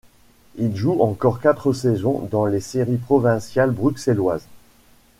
Il joue encore quatre saisons dans les séries provinciales bruxelloises.